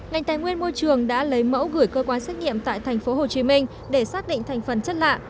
ngành tài nguyên môi trường đã lấy mẫu gửi cơ quan xét nghiệm tại tp hcm để xác định thành phần chất lạ